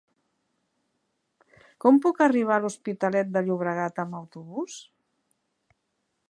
Com puc arribar a l'Hospitalet de Llobregat amb autobús?